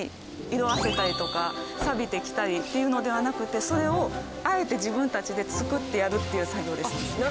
色あせたりとかさびてきたりっていうのではなくてそれをあえて自分たちで作ってやるっていう作業ですね。